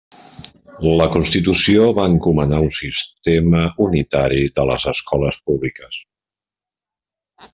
La Constitució va encomanar un sistema unitari de les escoles públiques.